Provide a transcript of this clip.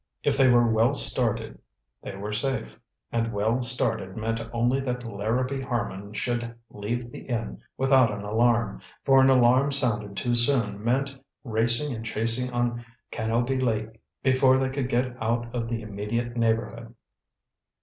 If they were well started, they were safe; and well started meant only that Larrabee Harman should leave the inn without an alarm, for an alarm sounded too soon meant "racing and chasing on Canoby Lea," before they could get out of the immediate neighbourhood.